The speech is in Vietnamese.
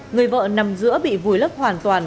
người vợ nằm giữa bị vùi lấp hoàn toàn